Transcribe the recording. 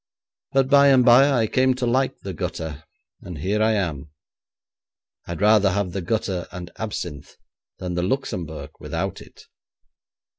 But by and by I came to like the gutter, and here I am. I'd rather have the gutter and absinthe than the Luxembourg without it.